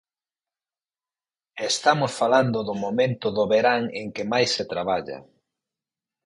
E estamos falando do momento do verán en que máis se traballa.